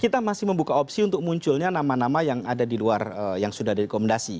kita masih membuka opsi untuk munculnya nama nama yang ada di luar yang sudah direkomendasi